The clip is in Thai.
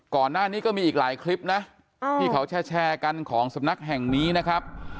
ก่อนหน้านี้ก็มีอีกหลายคลิปนะที่เขาแชร์กันของสำนักแห่งนี้นะครับ